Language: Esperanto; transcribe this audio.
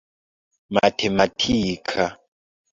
matematika